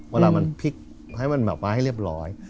เวลามันพลิกให้มันแบบว่าให้เรียบร้อย